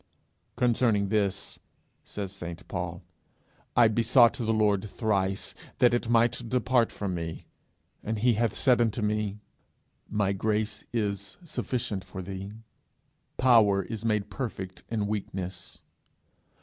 'Concerning this thing,' says St. Paul, 'I besought the Lord thrice, that it might depart from me. And he hath said unto me, My grace is sufficient for thee; power is made perfect in weakness.'